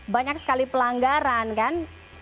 banyak sekali pelanggaran kan